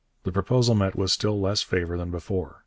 The proposal met with still less favour than before.